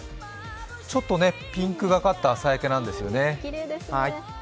ちょっとピンクがかった朝焼けなんですよね。